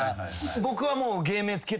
僕はもう。